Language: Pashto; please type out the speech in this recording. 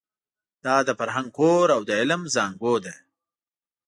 دا د فرهنګ کور او د علم زانګو ده.